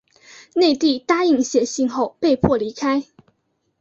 内蒂答应写信后被迫离开。